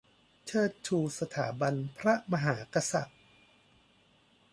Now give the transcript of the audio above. เชิดชูสถาบันพระมหากษัตริย์